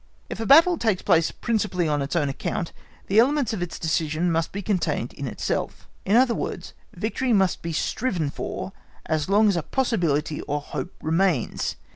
If a battle takes place principally on its own account, the elements of its decision must be contained in itself; in other words, victory must be striven for as long as a possibility or hope remains.